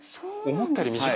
思ったより短い。